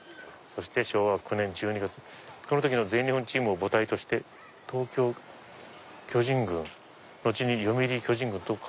「そして昭和９年１２月この時の全日本チームを母体として東京巨人軍が誕生」。